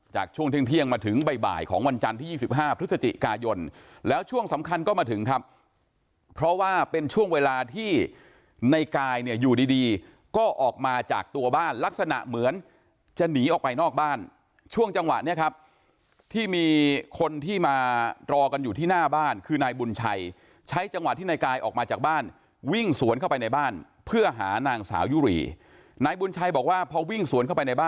จากช่วงเที่ยงมาถึงบ่ายของวันจันทร์ที่๒๕พฤศจิกายนแล้วช่วงสำคัญก็มาถึงครับเพราะว่าเป็นช่วงเวลาที่ในกายเนี่ยอยู่ดีก็ออกมาจากตัวบ้านลักษณะเหมือนจะหนีออกไปนอกบ้านช่วงจังหวะเนี่ยครับที่มีคนที่มารอกันอยู่ที่หน้าบ้านคือนายบุญชัยใช้จังหวะที่ในกายออกมาจากบ้านวิ่งสวนเข้าไปในบ้